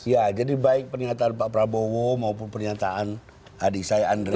ya jadi baik pernyataan pak prabowo maupun pernyataan adik saya andre